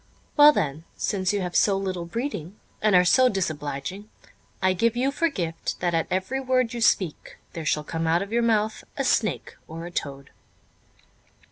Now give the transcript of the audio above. "Well then, since you have so little breeding, and are so disobliging, I give you for gift, that at every word you speak there shall come out of your mouth a snake or a toad."